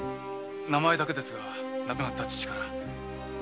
名前だけですが亡くなった父から。